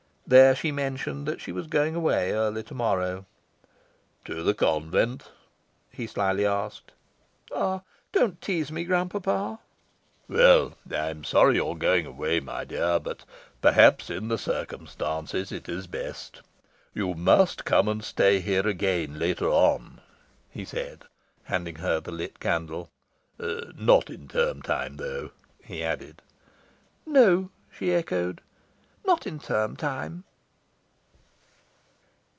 There she mentioned that she was going away early to morrow. "To the convent?" he slyly asked. "Ah, don't tease me, grand papa." "Well, I am sorry you are going away, my dear. But perhaps, in the circumstances, it is best. You must come and stay here again, later on," he said, handing her the lit candle. "Not in term time, though," he added. "No," she echoed, "not in term time."